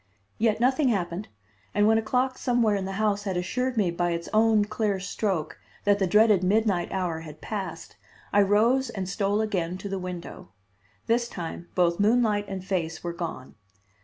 Yet nothing happened, and when a clock somewhere in the house had assured me by its own clear stroke that the dreaded midnight hour had passed I rose and stole again to the window. This time both moonlight and face were gone.